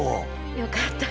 よかったよ。